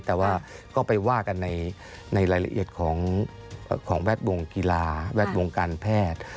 แต่ว่าก็ไปว่ากันในรายละเอียดของแวดวงกีฬาแวดวงการแพทย์